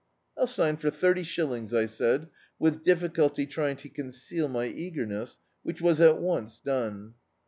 "I'll sign for thirty shillings," I said, with difficulty trying to conceal my eagerness; which was at once done.